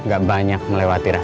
gak banyak melewati lelah